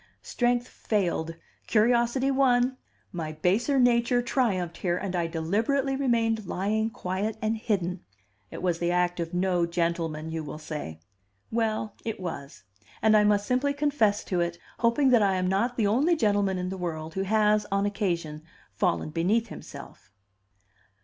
Strength failed, curiosity won, my baser nature triumphed here, and I deliberately remained lying quiet and hidden. It was the act of no gentleman, you will say. Well, it was; and I must simply confess to it, hoping that I am not the only gentleman in the world who has, on occasion, fallen beneath himself.